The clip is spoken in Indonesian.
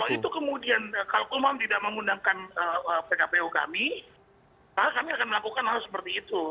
kalau itu kemudian kalau kumam tidak mengundangkan pkpu kami maka kami akan melakukan hal seperti itu